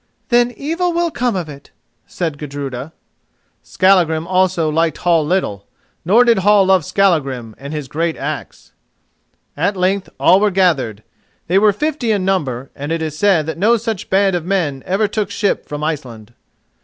"Then evil will come of it," said Gudruda. Skallagrim also liked Hall little, nor did Hall love Skallagrim and his great axe. At length all were gathered; they were fifty in number and it is said that no such band of men ever took ship from Iceland.